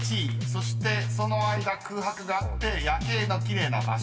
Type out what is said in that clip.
そしてその間空白があって「夜景のきれいな場所」］